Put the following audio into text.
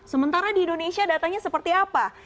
sementara di indonesia datanya seperti apa